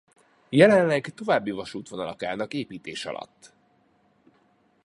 Jelenleg további vasútvonalak állnak építés alatt.